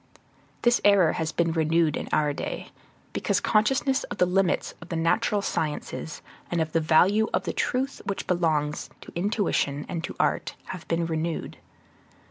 This error has been renewed in our day, because the consciousness of the limits of the natural sciences and of the value of the truth which belongs to intuition and to art, have been renewed.